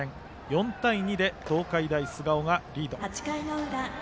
４対２で東海大菅生がリード。